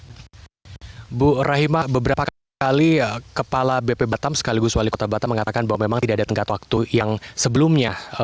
ibu rahima beberapa kali kepala bp batam sekaligus wali kota batam mengatakan bahwa memang tidak ada tengkat waktu yang sebelumnya